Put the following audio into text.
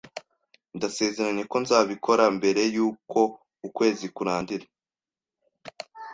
Ndasezeranye ko nzabikora mbere yuko ukwezi kurangira